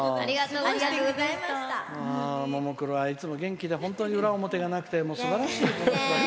ももクロはいつも元気で裏表がなくてすばらしい。